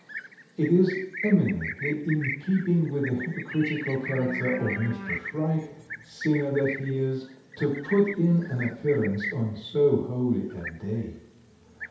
It is eminently in keeping with the hypocritical character of Mr. Shrike, sinner that he is, to put in an appearance on so holy a day.